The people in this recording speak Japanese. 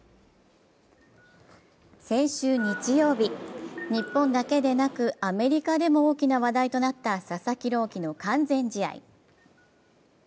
先週日曜日、日本だけでなくアメリカでも大きな話題となった佐々木朗希の完全試合。